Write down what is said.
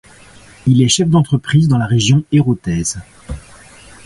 Il est chef d'entreprise dans la région héraultaise.